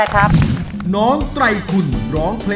เก่งจริง